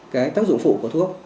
cái tác dụng phụ của thuốc